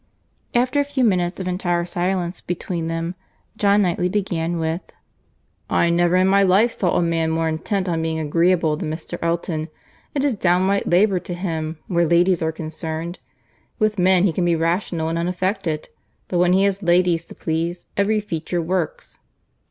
After a few minutes of entire silence between them, John Knightley began with— "I never in my life saw a man more intent on being agreeable than Mr. Elton. It is downright labour to him where ladies are concerned. With men he can be rational and unaffected, but when he has ladies to please, every feature works."